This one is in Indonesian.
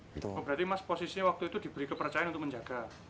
berarti mas posisinya waktu itu diberi kepercayaan untuk menjaga